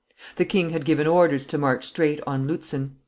The king had given orders to march straight on Lutzen.